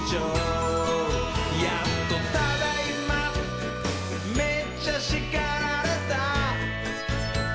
「やっとただいまめっちゃしかられた」